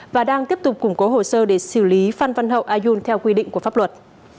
và đang tiếp tục củng cố hồ sơ để xử lý phan văn hậu ayun theo quy định của pháp luật